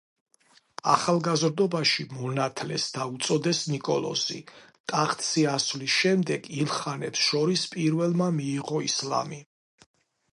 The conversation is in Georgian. ახალგაზრდობაში მონათლეს და უწოდეს ნიკოლოზი, ტახტზე ასვლის შემდეგ, ილხანებს შორის პირველმა მიიღო ისლამი.